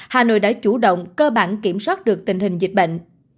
hà nội đã chủ động cơ bản kiểm soát được tình hình dịch bệnh